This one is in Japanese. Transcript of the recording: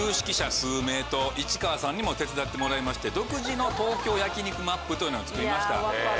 数名と市川さんにも手伝ってもらいまして独自の東京焼き肉マップというのを作りました。